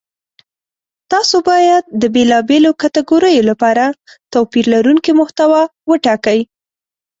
تاسو باید د بېلابېلو کتګوریو لپاره توپیر لرونکې محتوا وټاکئ.